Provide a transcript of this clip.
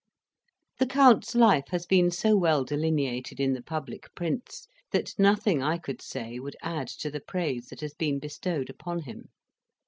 The Count's life has been so well delineated in the public prints, that nothing I could say would add to the praise that has been bestowed upon him.